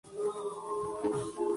Consta de un solo piso y el ático.